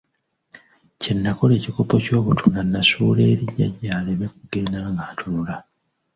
Kye nnakola ekikopo ky'obutunda nnasuula eri ntaase Jjajja aleme kugenda nga ntunula.